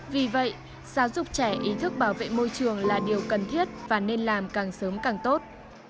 vì vậy giáo dục trẻ ý thức bảo vệ môi trường là điều cần thiết và nên làm càng sớm càng tốt